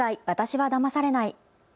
私はだまされない。